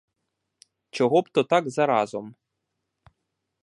Чого б то так заразом?